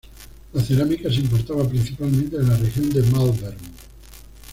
La cerámica se importaba principalmente de la región de Malvern.